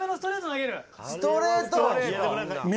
ストレート！